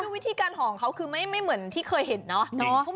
วิธีการหองเค้าไม่เหมือนกับคนน่ะ